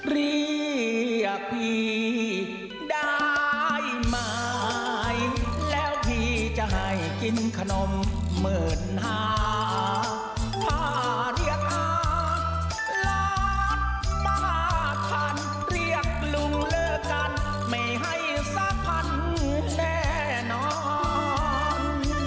เรียกพี่ได้ไหมแล้วพี่จะให้กินขนมหมื่นห้าถ้าเรียกหาล้านมาพันเรียกลุงเลิกกันไม่ให้สักพันแน่นอน